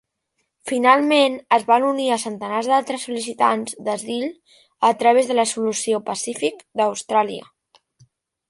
Finalment es van unir a centenars d'altres sol·licitants d'asil a través de la "Solució Pacífic" d'Austràlia".